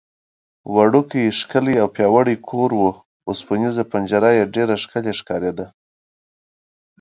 وړوکی، ښکلی او پیاوړی کور و، اوسپنېزه پنجره یې ډېره ښکلې ښکارېده.